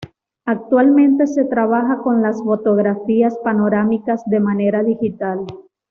Actualmente se trabaja con las fotografías panorámicas de manera digital.